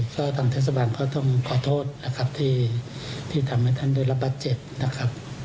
ก็ทางเทศบาลก็ต้องขอโทษนะครับที่ทำให้ท่านได้รับบาดเจ็บนะครับ